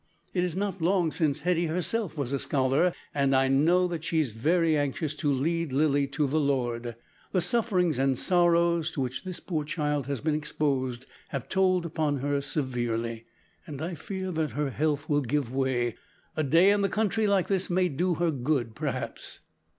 It is not long since Hetty herself was a scholar, and I know that she is very anxious to lead Lilly to the Lord. The sufferings and sorrows to which this poor child has been exposed have told upon her severely, and I fear that her health will give way. A day in the country like this may do her good perhaps."